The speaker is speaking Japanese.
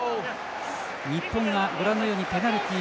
日本がご覧のようにペナルティー